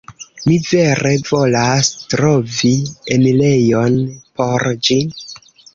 Mi vere volas trovi enirejon por ĝi